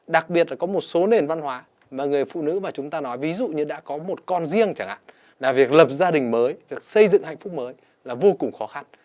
đặc biệt là có một số nền văn hóa mà người phụ nữ mà chúng ta nói ví dụ như đã có một con riêng chẳng hạn là việc lập gia đình mới việc xây dựng hạnh phúc mới là vô cùng khó khăn